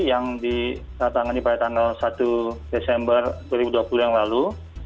yang ditatangani pada tanggal satu desember dua ribu dua puluh yang lalu